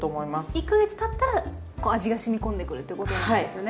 １か月たったら味が染み込んでくるってことなんですね。